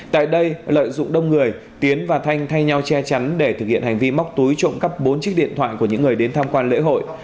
tại đây lợi dụng đông người tiến và thanh thay nhau che chắn để thực hiện hành vi móc túi trộm cắp bốn chiếc điện thoại của những người đến tham quan lễ hội